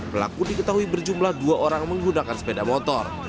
pelaku diketahui berjumlah dua orang menggunakan sepeda motor